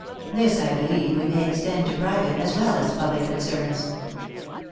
This I believe we may extend to private, as well as public concerns."